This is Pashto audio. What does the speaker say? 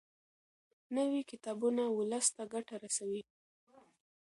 نوي کتابونه ولس ته ګټه رسوي.